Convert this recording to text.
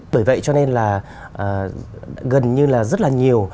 bởi vậy cho nên là gần như là rất là nhiều